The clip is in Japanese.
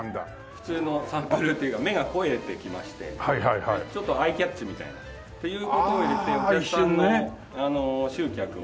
普通のサンプルというか目が肥えてきましてちょっとアイキャッチみたいなという事を入れてお客さんの集客を。